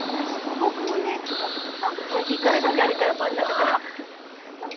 僕もねって、右から左から真ん中から。